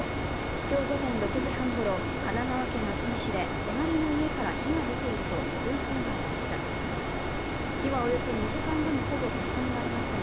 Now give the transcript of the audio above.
今日午前６時半ごろ、神奈川県厚木市で隣の家から火が出ていると通報ががありました。